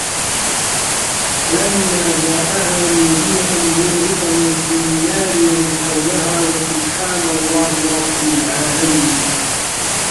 فَلَمّا جاءَها نودِيَ أَن بورِكَ مَن فِي النّارِ وَمَن حَولَها وَسُبحانَ اللَّهِ رَبِّ العالَمينَ